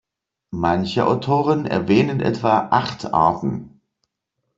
Manche Autoren erwähnen etwa acht Arten.